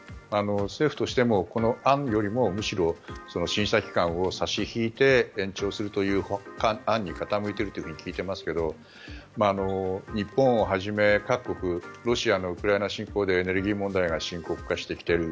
政府としても、この案よりもむしろ審査期間を差し引いて延長するという案に傾いていると聞いていますが日本をはじめ、各国ロシアのウクライナ侵攻でエネルギー問題が深刻化してきている。